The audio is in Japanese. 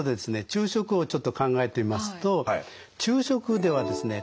昼食をちょっと考えてみますと昼食ではですね